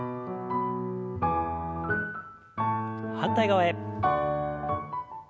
反対側へ。